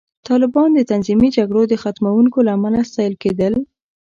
طالبان د تنظیمي جګړو د ختموونکو له امله ستایل کېدل